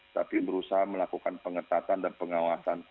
tapi berusaha melakukan pengetatan dan pengawasan